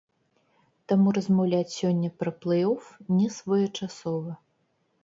Таму размаўляць сёння пра плэй-оф несвоечасова.